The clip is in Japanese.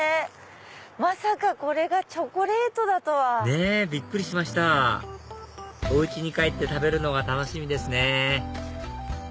まさかこれがチョコレートとは。ねぇびっくりしましたお家に帰って食べるのが楽しみですね